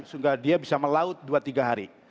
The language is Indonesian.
sehingga dia bisa melaut dua tiga hari